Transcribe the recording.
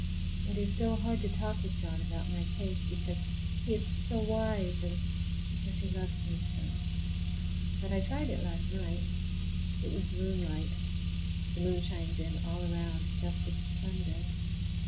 It is so hard to talk with John about my case, because he is so wise, and because he loves me so. But I tried it last night. It was moonlight. The moon shines in all around, just as the sun does.